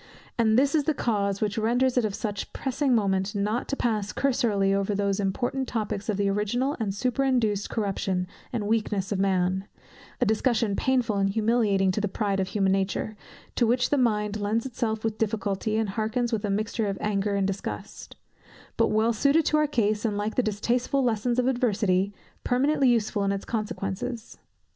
And this is the cause, which renders it of such pressing moment not to pass cursorily over those important topics of the original and superinduced corruption, and weakness of man; a discussion painful and humiliating to the pride of human nature, to which the mind lends itself with difficulty, and hearkens with a mixture of anger and disgust; but well suited to our case, and like the distasteful lessons of adversity, permanently useful in its consequences.